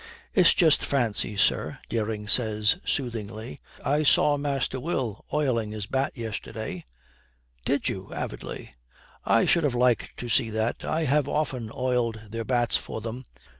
'It's just fancy, sir,' Dering says soothingly, 'I saw Master Will oiling his bat yesterday.' 'Did you?' avidly. 'I should have liked to see that. I have often oiled their bats for them.